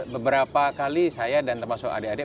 beberapa kali saya dan termasuk adik adik